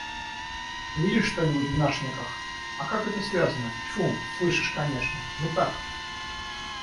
«Видишь что-нибудь в нашниках?» — «А как это связано?» — «Тьфу, слышишь конечно. Ну так?»